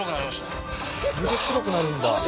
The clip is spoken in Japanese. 本当、白くなるんだ。